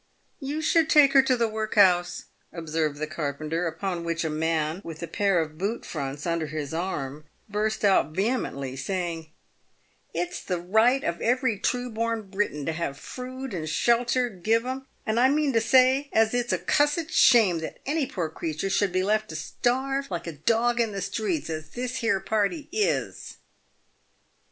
"You should take her to the workhouse," observed the car penter ; upon which a man, with a pair of boot fronts under his arm, burst out vehemently, saying, "It's the right of every true born Briton to have food and shelter give 'em, and I mean to say as it's a cussed shame that any poor creeture should be left to starve like a dog in the streets, as this here party is."